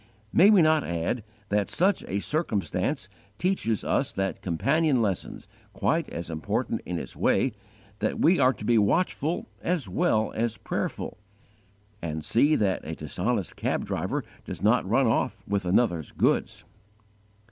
May we not add that such a circumstance teaches us that companion lesson, quite as important in its way, that we are to be watchful as well as prayerful, and see that a dishonest cab driver does not run off with another's goods!